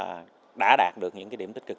mà đã đạt được những cái điểm tích cực